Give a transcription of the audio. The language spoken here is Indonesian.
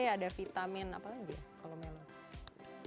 ada vitamin apalagi ya kalau melon